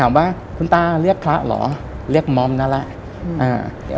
ว่าคุณตาเรียกพระเหรอเรียกมอมนั่นแหละ